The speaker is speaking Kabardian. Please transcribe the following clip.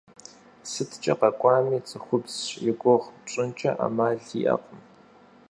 СыткӀэ къакӀуэми цӀыхубзщ игугъу пщӀынкӀэ Ӏэмал иӀэкъым.